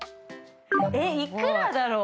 えっいくらだろう？